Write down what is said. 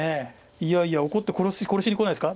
いやいや怒って殺しにこないですか？